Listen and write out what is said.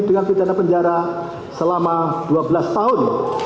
dengan pidana penjara selama dua belas tahun